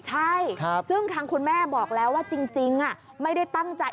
ใช่ซึ่งทางคุณแม่บอกแล้วว่าจริงไม่ได้ตั้งใจ